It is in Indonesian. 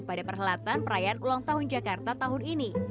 pada perhelatan perayaan ulang tahun jakarta tahun ini